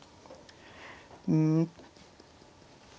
うん。